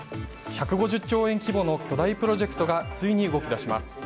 １５０兆円規模の巨大プロジェクトがついに動き出します。